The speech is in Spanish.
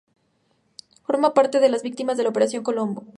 Forma parte de las víctimas de la Operación Colombo.